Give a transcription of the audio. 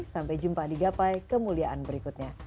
sampai jumpa di gapai kemuliaan berikutnya